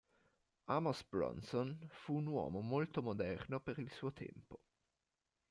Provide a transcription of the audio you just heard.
Amos Bronson fu un uomo molto moderno per il suo tempo.